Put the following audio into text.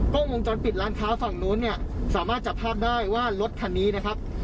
กล้องวงจรปิดร้านค้าฝั่งนู้นเนี่ยสามารถจับภาพได้ว่ารถคันนี้นะครับ